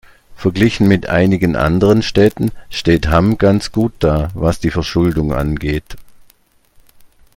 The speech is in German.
Verglichen mit einigen anderen Städten steht Hamm ganz gut da, was die Verschuldung angeht.